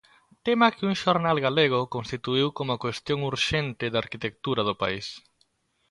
Tema que un xornal galego constituíu como a cuestión urxente da arquitectura do país.